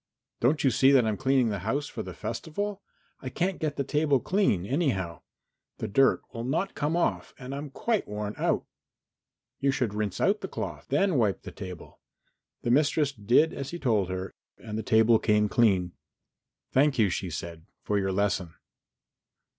"Don't you see that I'm cleaning the house for the festival? I can't get the table clean, anyhow. The dirt will not come off and I'm quite worn out." "You should rinse out the cloth, then wipe the table." The mistress did as he told her and the table came clean. "Thank you," she said, "for your lesson."